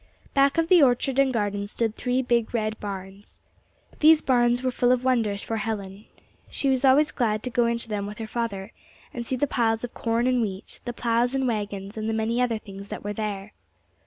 Back of the orchard and garden stood three big red barns. These barns were full of wonders for Helen. She was always glad to go into them with her father, and see the piles of corn and wheat, the plows and wagons, and the many other things that were there.